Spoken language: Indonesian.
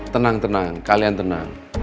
tenang tenang kalian tenang